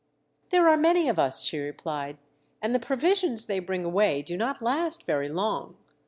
" There are many of us," she replied, " and the provisions they bring away do not last very long.